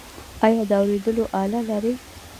ایا د اوریدلو آله لرئ؟